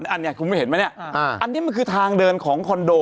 อันนี้คุณเห็นไหมอันนี้มันคือทางเดินของคอนโด